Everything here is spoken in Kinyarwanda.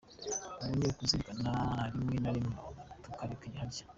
Ubu ni ukuwizirika rimwe na rimwe tukareka kurya.